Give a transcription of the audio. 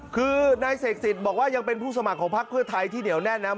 คือนายเสกสิทธิ์บอกว่ายังเป็นผู้สมัครของพักเพื่อไทยที่เหนียวแน่นนะ